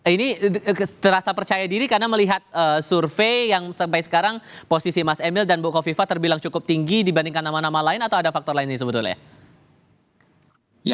ini terasa percaya diri karena melihat survei yang sampai sekarang posisi mas emil dan bukoviva terbilang cukup tinggi dibandingkan nama nama lain atau ada faktor lainnya sebetulnya